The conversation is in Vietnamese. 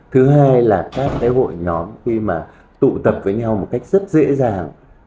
thứ hai là các cái hội nhóm khi mà tụ tập với nhau một cách rất dễ dàng